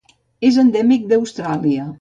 És endèmic d'Austràlia.